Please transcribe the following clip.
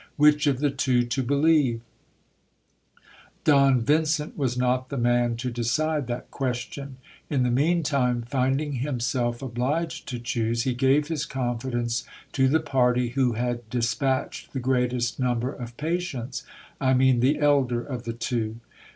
Which of the two to believe ? Don Vincent was not the man to decide that question. In the mean time, finding himself obliged to choose, he gave his confidence to the A URORA'S STRANGE RESOL UTIOX. 1 1 7 party who had dispatched the greatest number of patients — I mean the elder of the two.